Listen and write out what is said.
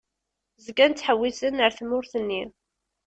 Zgan ttḥewwisen ar tmurt-nni.